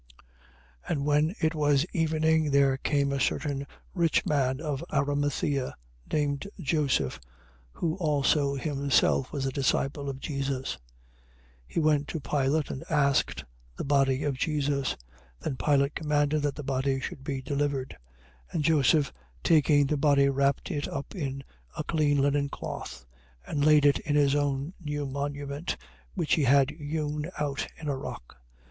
27:57. And when it was evening, there came a certain rich man of Arimathea, named Joseph, who also himself was a disciple of Jesus. 27:58. He went to Pilate and asked the body of Jesus. Then Pilate commanded that the body should be delivered. 27:59. And Joseph taking the body wrapped it up in a clean linen cloth: 27:60. And laid it in his own new monument, which he had hewed out in a rock.